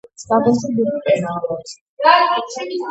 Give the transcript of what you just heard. დღესდღეობით ფესტივალი ტარდება ორ წელიწადში ერთხელ.